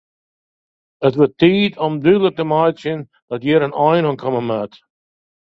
It wurdt tiid om dúdlik te meitsjen dat hjir in ein oan komme moat.